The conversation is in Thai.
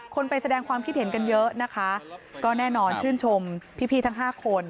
ไปแสดงความคิดเห็นกันเยอะนะคะก็แน่นอนชื่นชมพี่ทั้ง๕คน